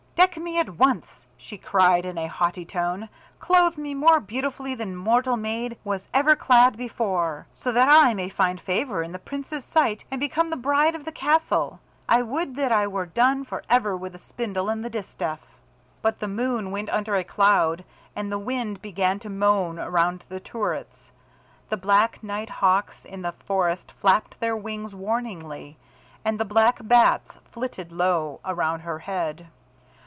"Deck me at once!" she cried in a haughty tone. "Clothe me more beautifully than mortal maid was ever clad before, so that I may find favour in the Prince's sight and become the bride of the castle! I would that I were done for ever with the spindle and the distaff!" But the moon went under a cloud and the wind began to moan around the turrets. The black night hawks in the forest flapped their wings warningly, and the black bats flitted low around her head.